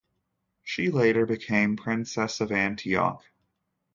She later became Princess of Antioch.